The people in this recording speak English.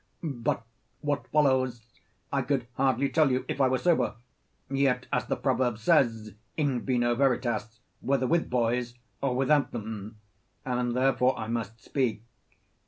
But what follows I could hardly tell you if I were sober. Yet as the proverb says, 'In vino veritas,' whether with boys, or without them (In allusion to two proverbs.); and therefore I must speak.